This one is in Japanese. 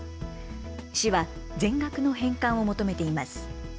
市は全額の返還を求めています。